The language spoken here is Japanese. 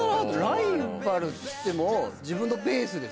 ライバルっつっても自分のペースですし。